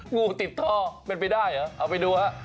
งูติดท่อเป็นไปได้เหรอเอาไปดูฮะ